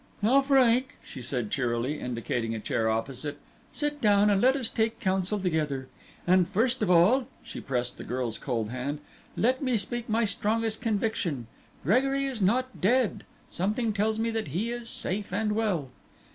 "Now, Frank," she said, cheerily, indicating a chair opposite, "sit down, and let us take counsel together. And first of all," she pressed the girl's cold hand "let me speak my strongest conviction. Gregory is not dead. Something tells me that he is safe and well."